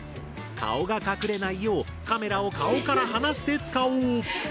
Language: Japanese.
顔が隠れないようカメラを顔から離して使おう！